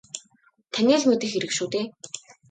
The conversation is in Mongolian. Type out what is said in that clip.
Таны л мэдэх хэрэг шүү дээ.